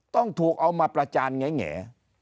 ต้องถูกเอามาประจานแง่